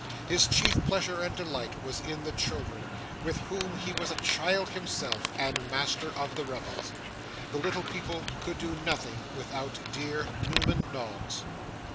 His chief pleasure and delight was in the children, with whom he was a child himself, and master of the revels. The little people could do nothing without dear Newman Noggs.